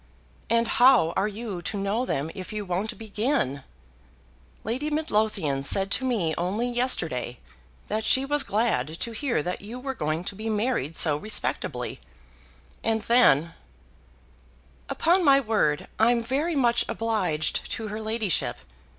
"And how are you to know them if you won't begin? Lady Midlothian said to me only yesterday that she was glad to hear that you were going to be married so respectably, and then " "Upon my word I'm very much obliged to her ladyship.